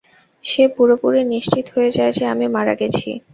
সে পুরোপুরি নিশ্চিত হয়ে যায় যে আমি মারা গেছি।